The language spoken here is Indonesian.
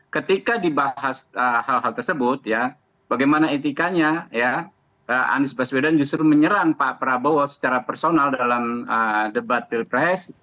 ketika dibahas hal hal tersebut ya bagaimana etikanya ya anies baswedan justru menyerang pak prabowo secara personal dalam debat pilpres